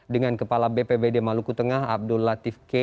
dengan kepala bpbd maluku tengah abdul latif k